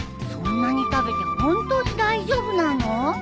そんなに食べて本当に大丈夫なの？